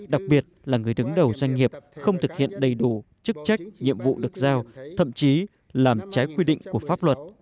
đặc biệt là người đứng đầu doanh nghiệp không thực hiện đầy đủ chức trách nhiệm vụ được giao thậm chí làm trái quy định của pháp luật